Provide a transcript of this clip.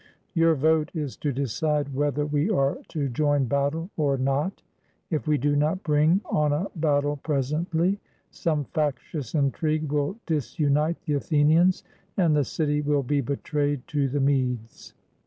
Your vote is to decide whether we are to join battle or not. If we do not bring on a battle presently, some factious intrigue will disunite the Athenians, and the city will be betrayed to the Medes.